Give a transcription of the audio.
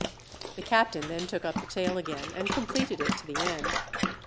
The captain then took up the tale again, and completed it to the end.